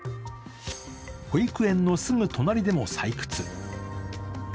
保育園のすぐ隣でも採掘。